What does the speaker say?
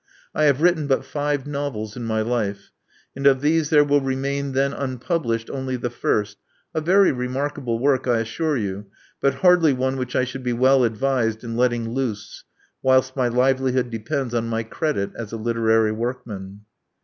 I have written but five novels in my life ; and of these there will remain then unpublished only the first — a very remarkable work, I assure you, but hardly one which I should be well advised in letting loose whilst my livelihood depends on my credit as a literary workman.